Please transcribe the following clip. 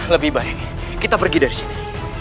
lebih baik kita pergi dari sini